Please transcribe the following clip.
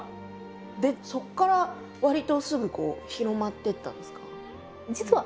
でそこからわりとすぐ広まってったんですか？